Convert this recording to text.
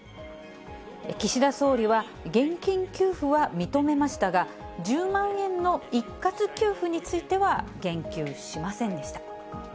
岸田総理は、現金給付は認めましたが、１０万円の一括給付については言及しませんでした。